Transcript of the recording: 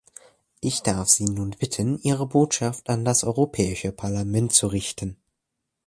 Ich darf Sie nun bitten, Ihre Botschaft an das Europäische Parlament zu richten.